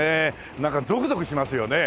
なんかゾクゾクしますよね。